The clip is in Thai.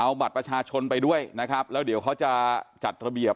เอาบัตรประชาชนไปด้วยนะครับแล้วเดี๋ยวเขาจะจัดระเบียบ